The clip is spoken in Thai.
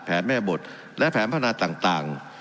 แม่บทและแผนพัฒนาต่าง